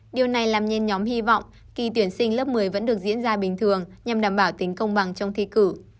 điều này làm nhen nhóm hy vọng kỳ tuyển sinh lớp một mươi vẫn được diễn ra bình thường nhằm đảm bảo tính công bằng trong thi cử